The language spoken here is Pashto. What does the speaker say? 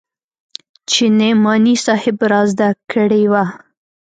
چې نعماني صاحب رازده کړې وه.